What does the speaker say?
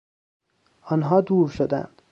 آنها دور شدند.